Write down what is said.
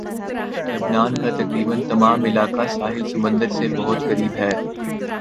لبنان کا تقریباً تمام علاقہ ساحل سمندر سے بہت قریب ہے